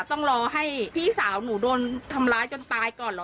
ต้องรอให้พี่สาวหนูโดนทำร้ายจนตายก่อนเหรอ